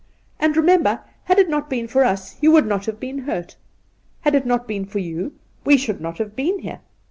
And, remember, had it not been for us you would not have been Kurt. Had it not been for you we should not have been here.